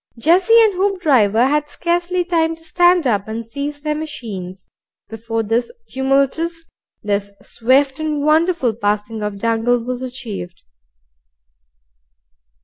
Jessie and Hoopdriver had scarcely time to stand up and seize their machines, before this tumultuous, this swift and wonderful passing of Dangle was achieved.